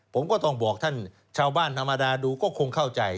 ผมก็ต้องบอกท่านชาวบ้านธรรมดาดูก็คงเข้าใจ